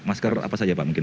masker apa saja pak